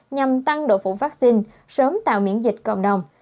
nhằm tăng độ phủ vaccine sớm tạo miễn dịch cộng đồng